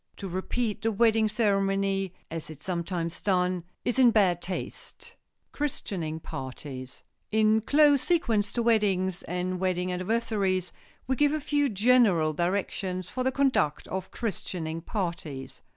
To repeat the wedding ceremony, as is sometimes done, is in bad taste. [Sidenote: CHRISTENING PARTIES] In close sequence to weddings and wedding anniversaries we give a few general directions for the conduct of christening parties.